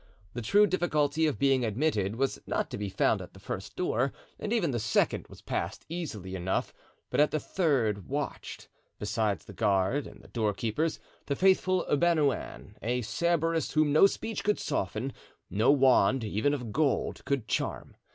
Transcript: The true difficulty of being admitted was not to be found at the first door, and even the second was passed easily enough; but at the third watched, besides the guard and the doorkeepers, the faithful Bernouin, a Cerberus whom no speech could soften, no wand, even of gold, could charm.